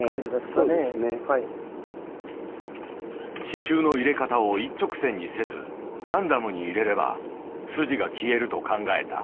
刺しゅうの入れ方を一直線にせずランダムに入れれば筋が消えると考えた。